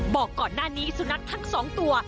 บอกก่อนหน้านี้สุนัขทั้ง๒ตัว